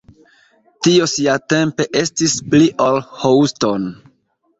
Tio siatempe estis pli ol Houston.